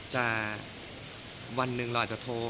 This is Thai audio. วันหนึ่งเราอาจจะโทร